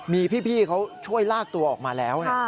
มีพี่เขาช่วยลากตัวออกมาแล้ว